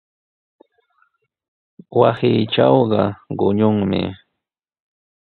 Wasiitrawqa quñunmi.